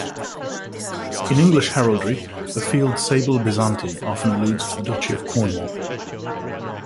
In English heraldry, a field "sable bezanty" often alludes to the Duchy of Cornwall.